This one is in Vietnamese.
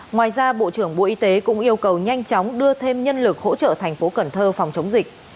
ngoài ra bộ trưởng bộ y tế cũng yêu cầu nhanh chóng đưa thêm nhân lực hỗ trợ thành phố cần thơ phòng chống dịch